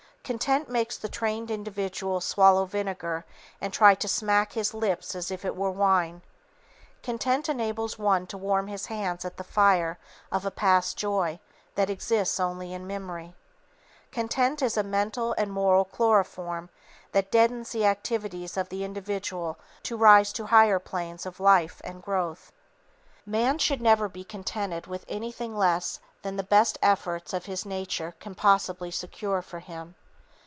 Content makes the trained individual swallow vinegar and try to smack his lips as if it were wine. Content enables one to warm his hands at the fire of a past joy that exists only in memory. Content is a mental and moral chloroform that deadens the activities of the individual to rise to higher planes of life and growth. Man should never be contented with anything less than the best efforts of his nature can possibly secure for him.